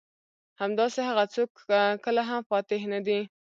همداسې هغه څوک کله هم فاتح نه دي.